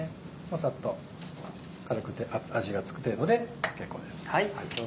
サッと軽く味が付く程度で結構です。